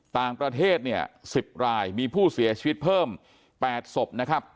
ต่างประเทศ๑๐รายมีผู้เสียชีวิตเพิ่ม๘ศพ